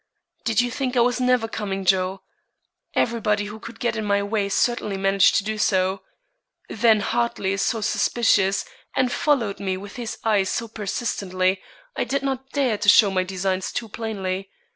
"Did you think I was never coming, Joe? Everybody who could get in my way certainly managed to do so. Then Hartley is so suspicious, and followed me with his eyes so persistently, I did not dare show my designs too plainly.